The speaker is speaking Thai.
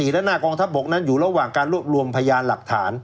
และหน้ากองทัพบกนั้นอยู่ระหว่างการรวบรวมพยานหลักฐาน